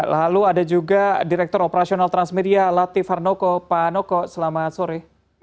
lalu ada juga direktur operasional transmedia latif harnoko pak noko selamat sore